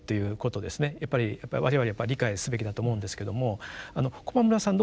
やっぱり我々やっぱ理解すべきだと思うんですけどもあの駒村さん